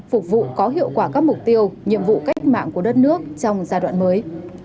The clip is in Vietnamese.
phục vụ có hiệu quả các mục tiêu nhiệm vụ cách mạng của đất nước trong giai đoạn mới